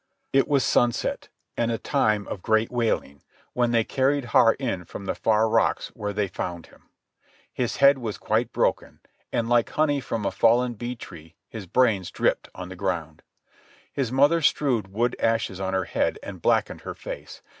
It was sunset, and a time of great wailing, when they carried Har in from the far rocks where they found him. His head was quite broken, and like honey from a fallen bee tree his brains dripped on the ground. His mother strewed wood ashes on her head and blackened her face.